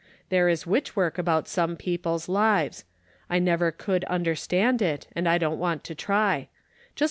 There is witch work about some people's lives ; I never could understand it, and I don't want to try.